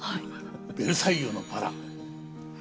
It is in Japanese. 「ベルサイユのばら」。